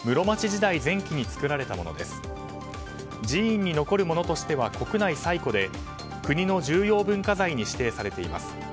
寺院に残るものとしては国内最古で国の重要文化財に指定されています。